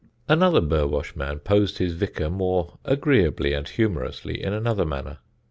Another Burwash man posed his vicar more agreeably and humorously in another manner.